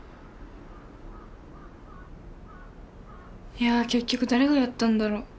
いや結局だれがやったんだろう？